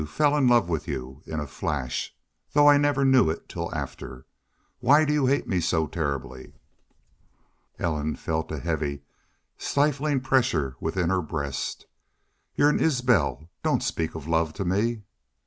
fell in love with you in a flash though I never knew it till after.... Why do you hate me so terribly?" Ellen felt a heavy, stifling pressure within her breast. "Y'u're an Isbel.... Doon't speak of love to me."